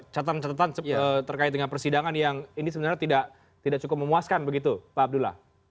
catatan catatan terkait dengan persidangan yang ini sebenarnya tidak cukup memuaskan begitu pak abdullah